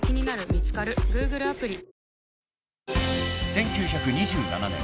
［１９２７年